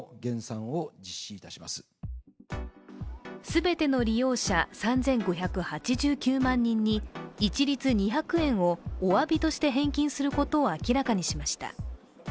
全ての利用者３５８９万人に一律２００円をおわびとして返金することを明らかにしました。